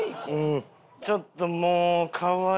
ちょっともう。